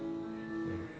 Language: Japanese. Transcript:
うん。